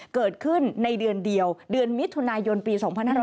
เกิดขึ้นในเดือนเดียวเดือนมิถุนายนปี๒๕๖๐